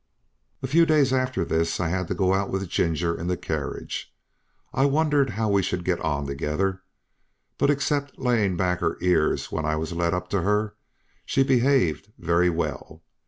A few days after this I had to go out with Ginger in the carriage. I wondered how we should get on together; but except laying her ears back when I was led up to her, she behaved very well.